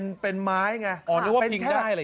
อ่อนึกว่าผิงได้ก็แบบนี้หรือ